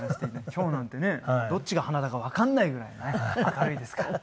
今日なんてねどっちが花だかわかんないぐらいね明るいですから。